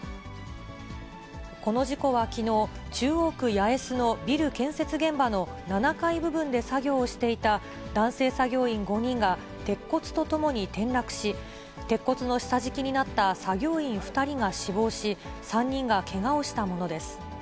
この事故はきのう、中央区八重洲のビル建設現場の７階部分で作業をしていた男性作業員５人が、鉄骨と共に転落し、鉄骨の下敷きになった作業員２人が死亡し、３人がけがをしたものです。